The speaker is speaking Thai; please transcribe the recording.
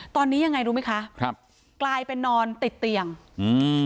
ตอนนี้ยังไงรู้ไหมคะครับกลายเป็นนอนติดเตียงอืม